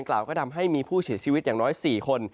กล่าวก็ทำให้มีผู้เสียชีวิตอย่างน้อย๔คน